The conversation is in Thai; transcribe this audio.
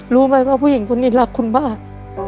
รู้ไหมว่าผู้หญิงคนนี้รักคุณมาก